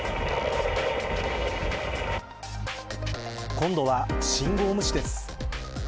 今度は信号無視です。